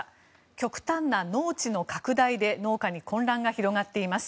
極端な農地の拡大で農家に混乱が広がっています。